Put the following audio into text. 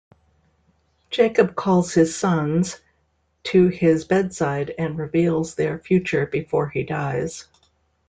Jacob calls his sons to his bedside and reveals their future before he dies.